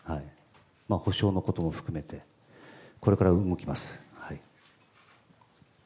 補償のことも含めて、これから動きます。